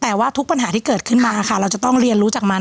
แต่ว่าทุกปัญหาที่เกิดขึ้นมาค่ะเราจะต้องเรียนรู้จากมัน